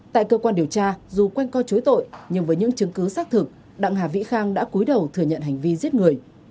tại cơ quan điều tra dù quanh co chối tội nhưng với những chứng cứ xác thực đặng hà vĩ khang đã cuối đầu thừa nhận hành vi giết người